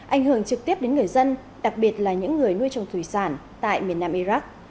ảnh hưởng trực tiếp đến người dân đặc biệt là những người nuôi trồng thủy sản tại miền nam iraq